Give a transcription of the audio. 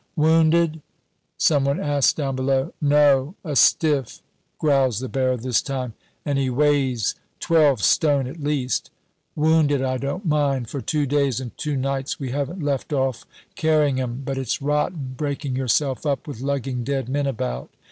"Wounded?" some one asks down below. "No, a stiff," growls the bearer this time, "and he weighs twelve stone at least. Wounded I don't mind for two days and two nights we haven't left off carrying 'em but it's rotten, breaking yourself up with lugging dead men about."